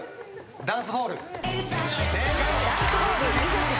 『ダンスホール』正解。